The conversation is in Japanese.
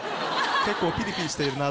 結構ピリピリしてるなと。